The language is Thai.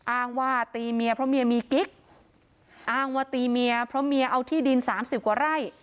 อ้างว่าตีเมียเพราะเมียมีกิ๊กอ้างว่าตีเมียเพราะเมียเอาที่ดินสามสิบกว่าไร่